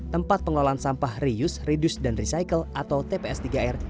tempat pengelolaan sampah reuse reduce dan recycle atau tps tiga r